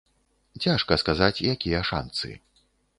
Цяжка сказаць, якія шанцы.